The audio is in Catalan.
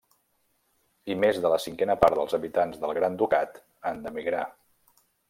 I més de la cinquena part dels habitants del Gran Ducat han d'emigrar.